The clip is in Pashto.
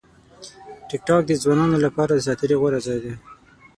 ټیکټاک د ځوانانو لپاره د ساعت تېري غوره ځای دی.